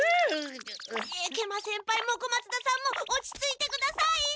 食満先輩も小松田さんも落ち着いてください！